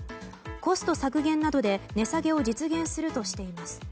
コスト削減などで値下げを実現するとしています。